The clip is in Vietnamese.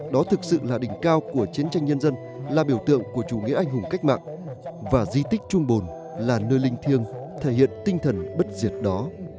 đó thực sự là đỉnh cao của chiến tranh nhân dân là biểu tượng của chủ nghĩa anh hùng cách mạng và di tích trung bồn là nơi linh thiêng thể hiện tinh thần bất diệt đó